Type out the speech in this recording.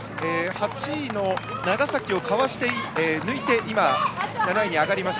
８位の長崎を抜いて７位に上がりました。